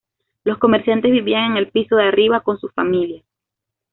Los comerciantes vivían en el piso de arriba, con sus familias.